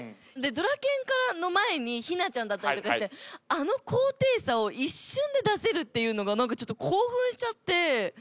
ドラケンの前にヒナちゃんだったりとかしてあの高低差を一瞬で出せるっていうのがちょっと興奮しちゃって。